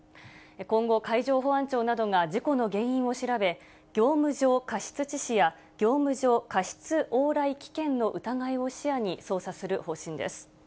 今後、海上保安庁などが事故の原因を調べ、業務上過失致死や、業務上過失往来危険の疑いを視野に捜査する方針です。